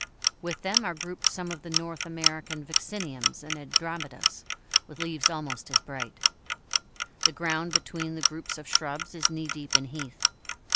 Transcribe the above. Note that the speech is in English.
With them are grouped some of the North American Vacciniums and Andromedas, with leaves almost as bright. The ground between the groups of shrubs is knee deep in heath.